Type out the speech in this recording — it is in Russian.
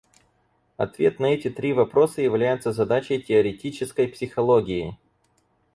Ответ на эти три вопроса является задачей теоретической психологии.